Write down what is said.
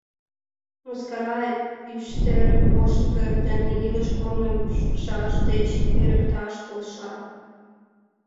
Мыскара ӱштервоштыр дене илыш корным шӱкшак деч эрыкташ полша.